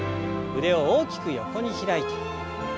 腕を大きく横に開いて。